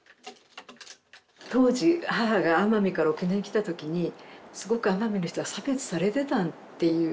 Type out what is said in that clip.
当時母が奄美から沖縄に来た時にすごく奄美の人は差別されてたっていうね。